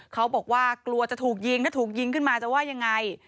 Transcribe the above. เขาบอกว่ากลัวจะถูกยิงถ้าถูกยิงขึ้นมาจะว่ายังไง